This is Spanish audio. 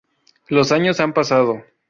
Los años han pasado.